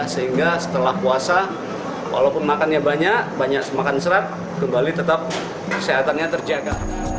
sehingga setelah puasa walaupun makannya banyak banyak makan serat kembali tetap kesehatannya terjaga